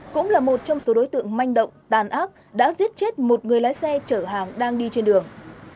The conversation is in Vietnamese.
cũng là một trong số đối tượng manh động tàn ác đã giết chết một người lái xe chở hàng đang đi trên đường